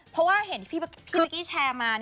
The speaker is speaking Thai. เพราะว่าเห็นพี่ตุ๊กกี้แชร์มา